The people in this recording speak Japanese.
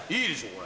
これ。